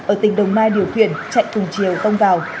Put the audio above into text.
ở tỉnh đồng nai điều khiển chạy cùng chiều tông vào